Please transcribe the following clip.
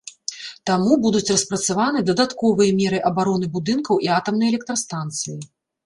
Таму будуць распрацаваны дадатковыя меры абароны будынкаў і атамнай электрастанцыі.